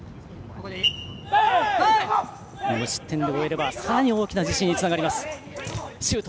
無失点で終えればさらに大きな自信につながります。